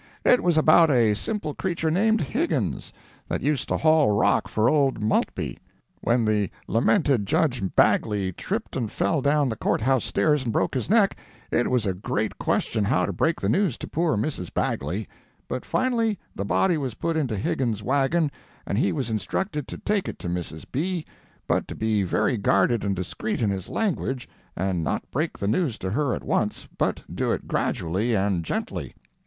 "It was about a simple creature named Higgins, that used to haul rock for old Maltby. When the lamented Judge Bagley tripped and fell down the court house stairs and broke his neck, it was a great question how to break the news to poor Mrs. Bagley. But finally the body was put into Higgin's wagon and he was instructed to take it to Mrs. B., but to be very guarded and discreet in his language, and not break the news to her at once, but do it gradually and gently.